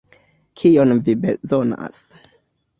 Kion vi bezonas?